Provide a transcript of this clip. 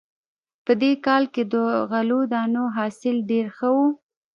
په دې کال کې د غلو دانو حاصل ډېر ښه و